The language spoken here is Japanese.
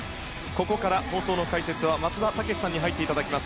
ここから放送の解説は松田丈志さんに入ってもらいます。